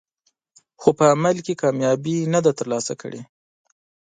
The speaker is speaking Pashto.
خو په عمل کې کامیابي نه ده ترلاسه کړې.